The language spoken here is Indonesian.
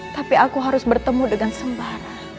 tapi aku harus bertemu dengan sembarang